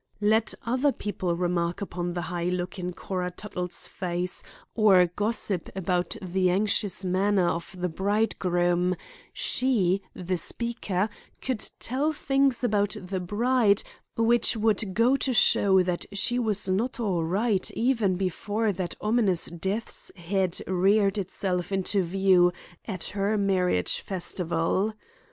Let other people remark upon the high look in Cora Tuttle's face, or gossip about the anxious manner of the bridegroom; she, the speaker, could tell things about the bride which would go to show that she was not all right even before that ominous death's head reared itself into view at her marriage festival.